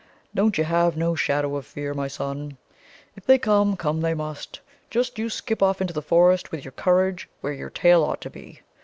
"Don't you have no shadow of fear, my son. If they come, come they must. Just you skip off into the forest with your courage where your tail ought to be.